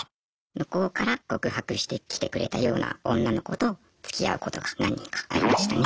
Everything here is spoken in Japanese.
向こうから告白してきてくれたような女の子とつきあうことが何人かありましたね。